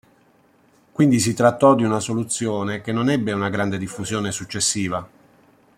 Quindi si trattò di una soluzione che non ebbe una grande diffusione successiva.